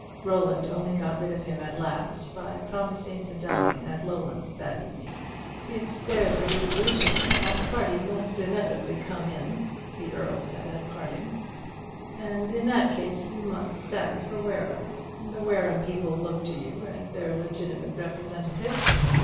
Roland only got rid of him at last by promising to dine at Lowlands that evening. "If there's a dissolution, our party must inevitably come in," the Earl said at parting; "and in that case you must stand for Wareham. The Wareham people look to you as their legitimate representative.